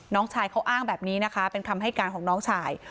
น้องชายเขาอ้างแบบนี้นะคะเป็นคำให้การของน้องชาย